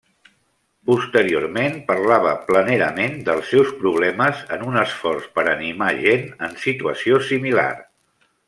Posteriorment, parlava planerament dels seus problemes en un esforç per animar gent en situació similar.